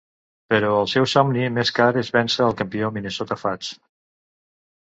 Però el seu somni més car és vèncer el campió Minnesota Fats.